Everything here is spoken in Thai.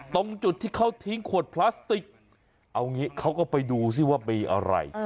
ตรงจุดที่เขาทิ้งขวดพลาสติกเอางี้เขาก็ไปดูซิว่ามีอะไร